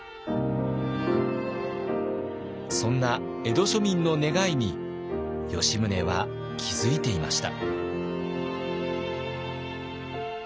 そんな江戸庶民の願いに吉宗は気付いていました。